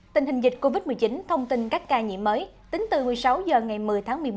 tình hình dịch covid một mươi chín thông tin các ca nhiễm mới tính từ một mươi sáu h ngày một mươi tháng một mươi một